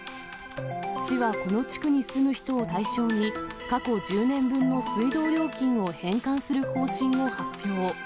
市はこの地区に住む人を対象に、過去１０年分の水道料金を返還する方針を発表。